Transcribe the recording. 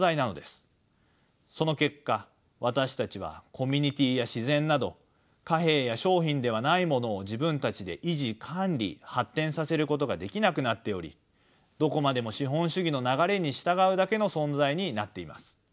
その結果私たちはコミュニティーや自然など貨幣や商品ではないものを自分たちで維持管理発展させることができなくなっておりどこまでも資本主義の流れに従うだけの存在になっています。